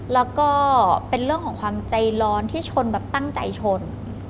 แล้วก็เป็นเรื่องของความใจร้อนที่ชนแบบตั้งใจชน